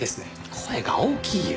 声が大きいよ。